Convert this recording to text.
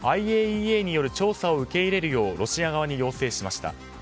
ＩＡＥＡによる調査を受け入れるようロシア側に要請しました。